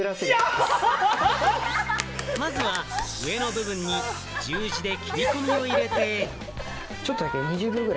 まずは上の部分に十字で切り込みを入れて。